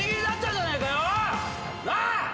なあ！